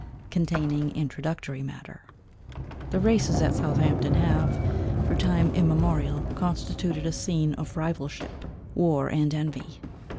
Containing introductory matter. The races at Southampton have, for time immemorial, constituted a scene of rivalship, war, and envy.